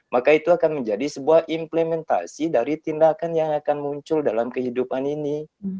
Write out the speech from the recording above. maka itu akan menjadi sebuah implementasi dari tindakan yang akan muncul dalam kehidupan ini